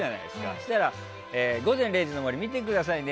そうしたら、「午前０時の森」見てくださいね！